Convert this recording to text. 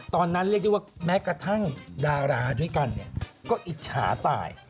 ตอนนั้นเรียกได้ว่าแม้กระทั่งดาราด้วยกันก็อิจฉาตาย